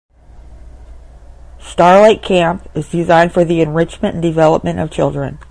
Star Lake Camp is designed for the enrichment and development of children.